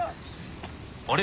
あれ？